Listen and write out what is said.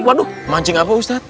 waduh mancing apa ustaz